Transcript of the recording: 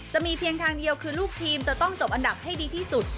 จะมีเพียงทางเดียวคือลูกทีมจะต้องจบอันดับให้ดีที่สุด